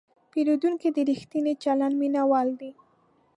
پیرودونکی د ریښتیني چلند مینهوال دی.